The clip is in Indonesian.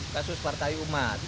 kasus partai umat